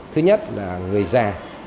thứ nhất là người già